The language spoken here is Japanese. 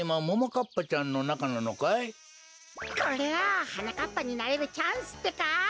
これははなかっぱになれるチャンスってか！